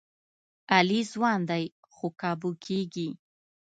علي ځوان دی، خو قابو کېږي.